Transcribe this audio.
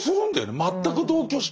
全く同居して。